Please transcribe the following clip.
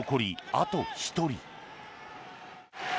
あと１人。